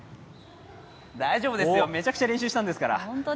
大丈夫ですよ、めちゃくちゃ練習したんですから。